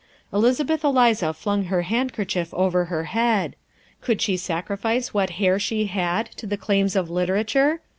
Elizabeth Eliza flung her handkerchief over her head. Could she sacrifice what hair she had to the claims of literature?